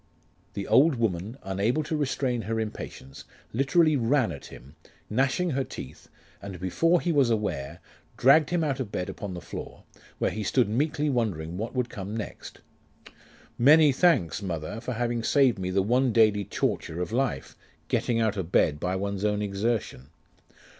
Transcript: The old woman, unable to restrain her impatience, literally ran at him, gnashing her teeth, and, before he was aware, dragged him out of bed upon the floor, where he stood meekly wondering what would come next. 'Many thanks, mother, for having saved me the one daily torture of life getting out of bed by one's own exertion.